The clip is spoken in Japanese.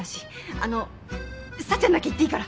あの幸ちゃんだけ行っていいから。